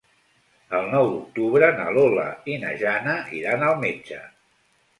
El nou d'octubre na Lola i na Jana iran al metge.